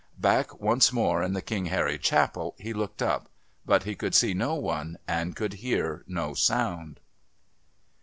Back once more in the King Harry Chapel, he looked up. But he could see no one and could hear no sound.